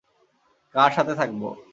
কার সাথে থাকব?